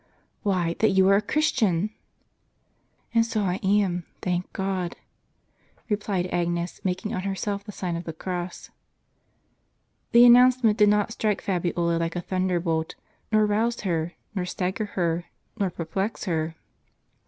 "Why, that you are a Christian." " And so I am, thank God !" replied Agnes, making on herself the sign of the cross. The announcement did not strike Fabiola like a thunder bolt, nor rouse her, nor stagger her, nor perplex her.